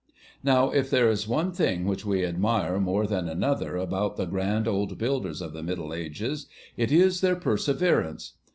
Now, if there is one thing which we admire more than another about the grand old builders of the Middle Ages, it is their perseverance.